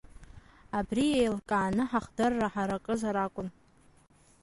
Абри еилкааны ҳахдырра ҳаракызар акәын.